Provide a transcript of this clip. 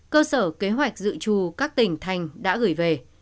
cơ sở kế hoạch dự trù các tỉnh thành đã gửi về